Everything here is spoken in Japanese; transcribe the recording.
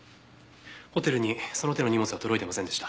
ホテルにその手の荷物は届いてませんでした。